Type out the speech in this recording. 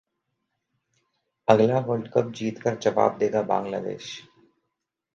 'अगला world cup जीतकर जवाब देगा बांग्लादेश'